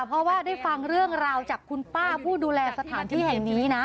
เพราะว่าได้ฟังเรื่องราวจากคุณป้าผู้ดูแลสถานที่แห่งนี้นะ